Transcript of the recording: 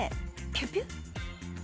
ピュピュ。